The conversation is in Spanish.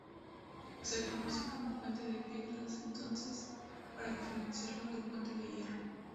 Se conoce como Puente de Piedra desde entonces, para diferenciarlo del Puente de Hierro.